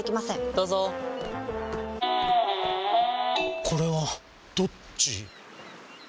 どうぞこれはどっち？